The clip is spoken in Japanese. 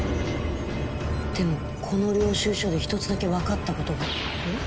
でもこの領収書で１つだけ分かったことが。